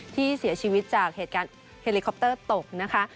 ที่เสียชีวิตจากเหตุการณ์เฮลิคอปเตอร์ตกนะคะ